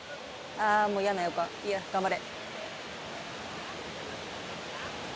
あー、もう嫌な予感、いや、頑張れ。